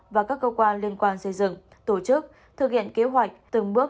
và các cơ quan liên quan xây dựng tổ chức thực hiện kế hoạch từng bước